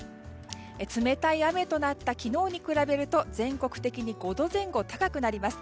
冷たい雨となった昨日に比べると全国的に５度前後高くなります。